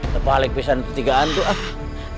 terpaling pisahnya ketigaan tuh